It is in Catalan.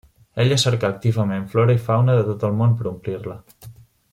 Ella cercà activament flora i fauna de tot el món per omplir-la.